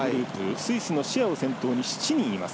スイスのシェアを先頭に７人います。